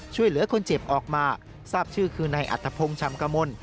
ช่วยเหลือคนเจ็บออกมาทราบชื่อคือนายอัตภพงศ์ชำกมล